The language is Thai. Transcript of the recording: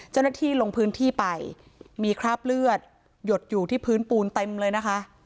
เจ้าหน้าที่ลงพื้นที่ไปมีคราบเลือดหยดอยู่ที่พื้นปูนเต็มเลยนะคะ